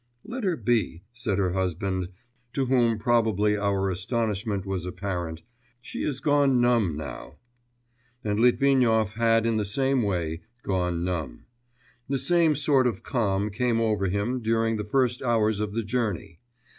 'Let her be,' said her husband, to whom probably our astonishment was apparent, 'she is gone numb now.' And Litvinov had in the same way 'gone numb.' The same sort of calm came over him during the first few hours of the journey.